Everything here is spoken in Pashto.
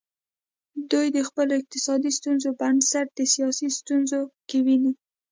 دوی د خپلو اقتصادي ستونزو بنسټ د سیاسي ستونزو کې ویني.